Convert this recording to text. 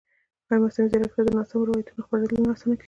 ایا مصنوعي ځیرکتیا د ناسمو روایتونو خپرېدل نه اسانه کوي؟